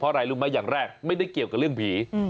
อะไรรู้ไหมอย่างแรกไม่ได้เกี่ยวกับเรื่องผี